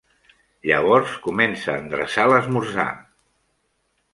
Llavors comença a endreçar l'esmorzar.